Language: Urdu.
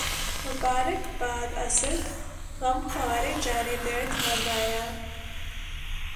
مبارک باد اسد، غمخوارِ جانِ درد مند آیا